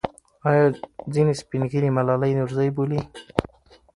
آیا ځینې سپین ږیري ملالۍ نورزۍ بولي؟